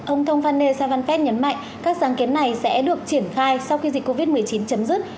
ông thông phan nê savanphet nhấn mạnh các sáng kiến này sẽ được triển khai sau khi dịch covid một mươi chín chấm dứt